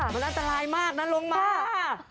มันอันตรายมากนะลงมา